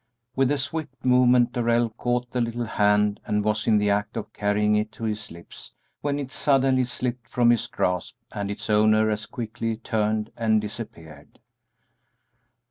With a swift movement Darrell caught the little hand and was in the act of carrying it to his lips, when it suddenly slipped from his grasp and its owner as quickly turned and disappeared.